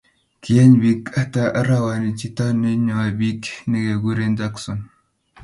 Kieny biik hata arawani chito neinyoi biik negeguren Jackson